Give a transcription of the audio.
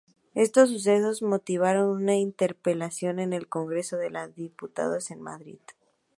Estos sucesos motivaron una interpelación en el Congreso de los Diputados en Madrid.